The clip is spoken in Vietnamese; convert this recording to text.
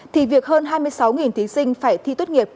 thì việc hơn hai mươi sáu thí sinh phải thi tốt nghiệp